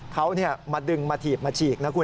เขามาดึงมาถีบมาฉีกนะคุณ